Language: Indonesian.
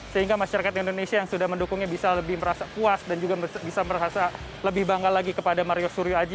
sehingga masyarakat indonesia yang sudah mendukungnya bisa lebih merasa puas dan juga bisa merasa lebih bangga lagi kepada mario suryo aji